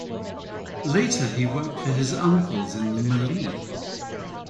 Later, he worked for his uncles in The Mallee.